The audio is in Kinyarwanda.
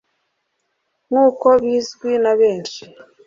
nk'uko bizwi na benshi.